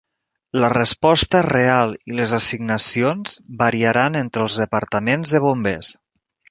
La resposta real i les assignacions variaran entre els departaments de bombers.